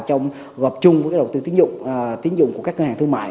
trong gọt chung với cái đầu tư tính dụng của các ngân hàng thương mại